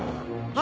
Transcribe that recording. あ！